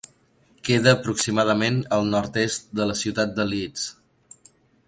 Queda aproximadament al nord-est de la ciutat de Leeds.